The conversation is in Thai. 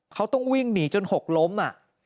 เขาต้องวิ่งหนีจนหกล้ม